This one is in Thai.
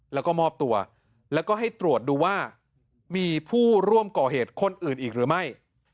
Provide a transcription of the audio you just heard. แล้วก็มอบตัวแล้วก็ให้ตรวจดูว่ามีผู้ร่วมก่อเหตุคนอื่นอีกหรือไม่